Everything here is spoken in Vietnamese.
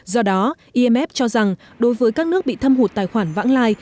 do đó imf cho rằng đối với các nước bị thâm hụt tài khoản vãng lai